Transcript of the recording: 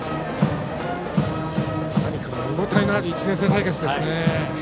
何か見応えのある１年生対決ですね。